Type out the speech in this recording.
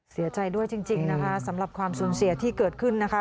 เสียใจด้วยจริงนะคะสำหรับความสูญเสียที่เกิดขึ้นนะคะ